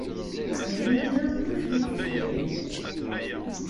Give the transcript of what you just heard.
Ar imir-a, kullec la itteddu mliḥ.